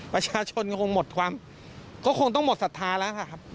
ประชาชนคงหมดความก็คงต้องหมดศรัทธาแล้วค่ะครับ